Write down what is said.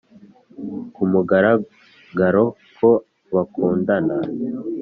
ku mugaragaro ko bakundana